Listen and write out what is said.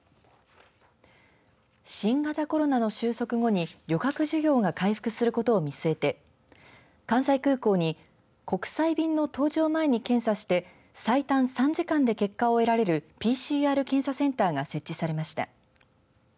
新型コロナの収束後に旅客需要が回復することを見据えて関西空港に国際便の搭乗前に検査して最短３時間で結果を得られるＰＣＲ検査センターが設置されました。